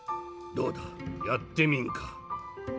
どうだやってみんか？